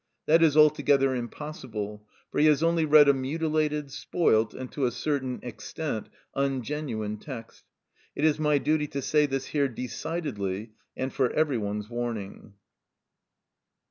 That is altogether impossible, for he has only read a mutilated, spoilt, and to a certain extent ungenuine text. It is my duty to say this here decidedly and for every one's warning.